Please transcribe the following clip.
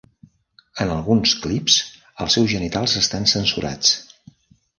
En alguns clips, els seus genitals estan censurats.